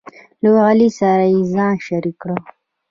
له علي سره یې ځان شریک کړ،